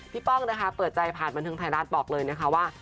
ป้องนะคะเปิดใจผ่านบันเทิงไทยรัฐบอกเลยนะคะว่า